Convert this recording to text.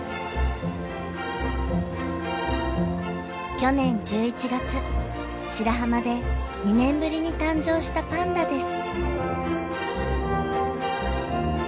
去年１１月白浜で２年ぶりに誕生したパンダです。